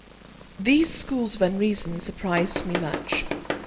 These schools of Unreason surprised me much.